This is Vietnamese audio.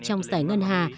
trong giải ngân hà